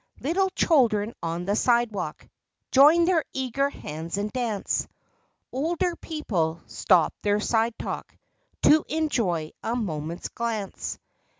50 Little children on the sidewalk Join their eager hands and dance; Older people stop their side talk To enjoy a moment's glance.